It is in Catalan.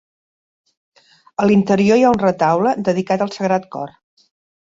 A l'interior hi ha un retaule dedicat al Sagrat Cor.